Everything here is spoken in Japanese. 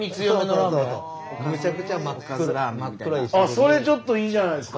それちょっといいじゃないですか！